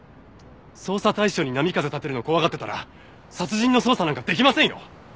捜査対象に波風立てるのを怖がってたら殺人の捜査なんかできませんよ！